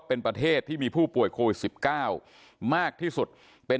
เป็นประเทศที่มีผู้ป่วยโควิด๑๙มากที่สุดเป็น